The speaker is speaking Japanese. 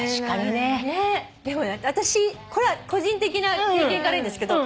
でもね私個人的な経験から言うんですけど。